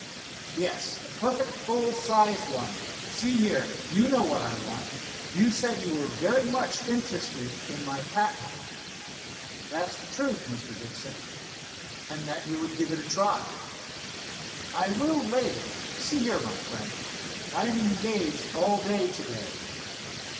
"Yes, a perfect full sized one. See here, you know what I want. You said you were very much interested in my patent." "That's the truth, Mr. Dixon." "And that you would give it a trial." "I will, later. See here, my friend, I am engaged all day to day."